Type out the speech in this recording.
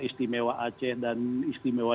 istimewa aceh dan istimewa